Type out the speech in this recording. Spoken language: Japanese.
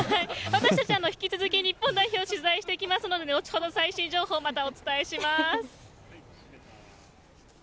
私たち引き続き日本代表を取材してきますので後ほど最新情報をまたお伝えします。